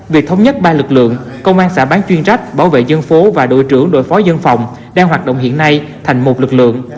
việc thống nhất ba lực lượng công an xã bán chuyên trách bảo vệ dân phố và đội trưởng đội phó dân phòng đang hoạt động hiện nay thành một lực lượng